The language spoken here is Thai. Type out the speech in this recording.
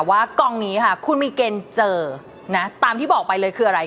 ว่ากองนี้ค่ะคุณมีเกณฑ์เจอนะตามที่บอกไปเลยคืออะไร